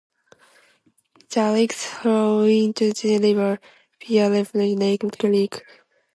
The lakes flow into the river via Redfish Lake Creek.